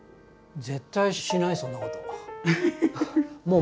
絶対しないそんなこと。